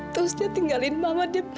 terus dia tinggalin mama